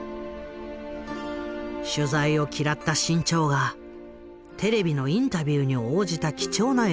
取材を嫌った志ん朝がテレビのインタビューに応じた貴重な映像がある。